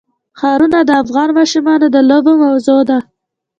ښارونه د افغان ماشومانو د لوبو موضوع ده.